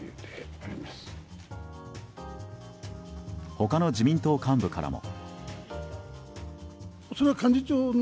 他の自民党幹部からも。